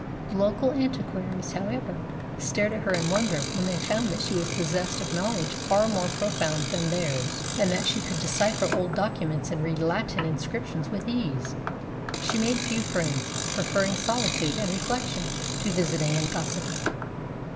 Local antiquaries, however, stared at her in wonder when they found that she was possessed of knowledge far more profound than theirs, and that she could decipher old documents and read Latin inscriptions with ease. She made few friends, preferring solitude and reflection to visiting and gossiping.